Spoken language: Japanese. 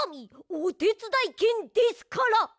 おてつだいけんですから！